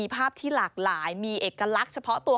ภาพที่หลากหลายมีเอกลักษณ์เฉพาะตัว